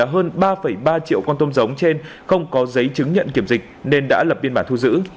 hơn ba ba triệu con tôm giống trên không có giấy chứng nhận kiểm dịch nên đã lập biên bản thu giữ